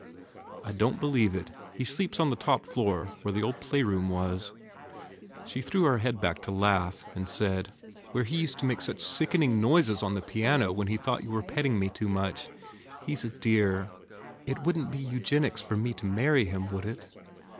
"I don t believe it. He sleeps on the top floor where the old playroom was." She threw her head back to laugh and said, IS3 THE FAIR REWARDS "Where he used to make such sickening noises on the piano when he thought you were petting me too much ? He s a dear. It wouldn t be eugen ics for me to marry him, would it?"